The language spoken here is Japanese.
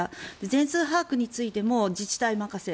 全数把握についても自治体任せ。